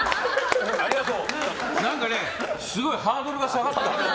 何かねすごいハードルが下がった。